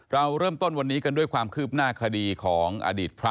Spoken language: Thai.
เราเริ่มต้นวันนี้กันด้วยความคืบหน้าคดีของอดีตพระ